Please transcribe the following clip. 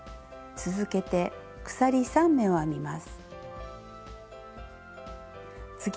続けて鎖３目を編みます。